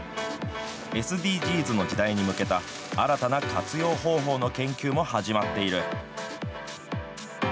ＳＤＧｓの時代に向けた、新たな活用方法の研究も始まっている。